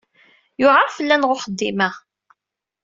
Yewɛeṛ fell-aneɣ uxeddim-a.